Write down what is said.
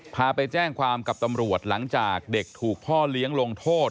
พาไปแจ้งความกับตำรวจหลังจากเด็กถูกพ่อเลี้ยงลงโทษ